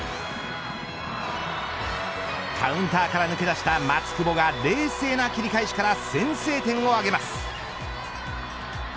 カウンターから抜け出した松窪が冷静な切り返しから先制点を挙げます。